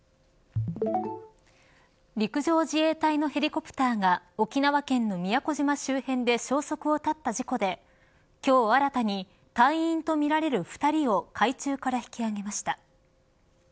陸上自衛隊のヘリコプターが沖縄県の宮古島周辺で消息を絶った事故で今日新たに隊員とみられる２人を海中から引き揚げました。